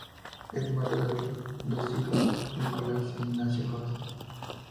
Es madre de dos hijos, Nicolás e Ignacio Yost.